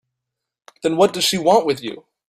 Then what does she want with you?